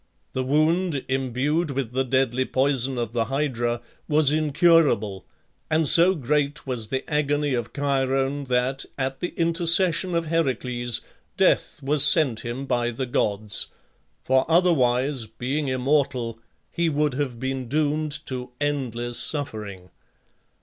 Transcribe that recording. The wound, imbued with the deadly poison of the Hydra, was incurable, and so great was the agony of Chiron that, at the intercession of Heracles, death was sent him by the gods; for otherwise, being immortal, he would have been doomed to endless suffering.